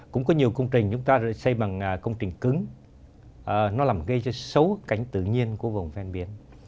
cũng có nhiều công trình chúng ta xây bằng công trình cứng nó làm gây cho xấu cảnh tự nhiên của vùng ven biển